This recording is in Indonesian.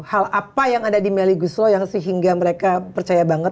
hal apa yang ada di melly guslo yang sehingga mereka percaya banget